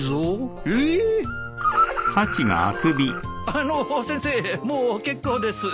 あの先生もう結構です。